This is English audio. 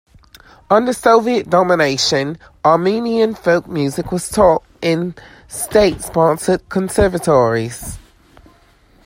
Under Soviet domination, Armenian folk music was taught in state-sponsored conservatoires.